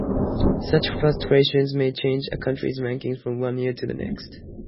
Such fluctuations may change a country's ranking from one year to the next.